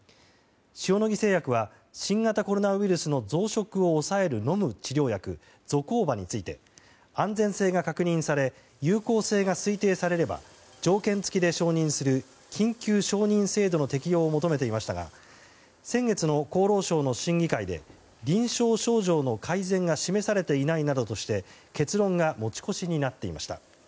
塩野義製薬は新型コロナウイルスの増殖を抑える飲む治療薬ゾコーバについて安全性が確認され有効性が推定されれば条件付きで承認する緊急承認制度の適用を求めていましたが先月の厚労省の審議会で臨床症状の改善が示されていないなどとして結論が持ち越しになっていました。